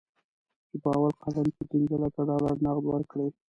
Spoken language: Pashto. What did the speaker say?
چې په اول قدم کې پنځه لکه ډالر نغد ورکړي.